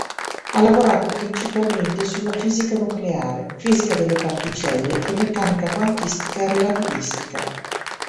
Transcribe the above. Ha lavorato principalmente sulla fisica nucleare, fisica delle particelle e meccanica quantistica relativistica.